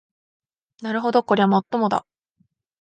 なるほどこりゃもっともだ